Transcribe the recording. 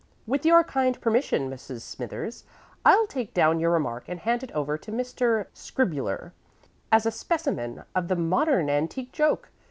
With your kind permission, Mrs. Smithers, I'll take down your remark and hand it over to Mr. Scribuler as a specimen of the modern antique joke.